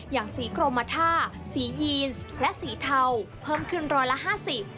อย่างสีกรมท่าสียีนและสีเทาเพิ่มขึ้นร้อยละห้าสิบ